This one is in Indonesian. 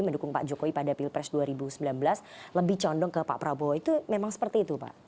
mendukung pak jokowi pada pilpres dua ribu sembilan belas lebih condong ke pak prabowo itu memang seperti itu pak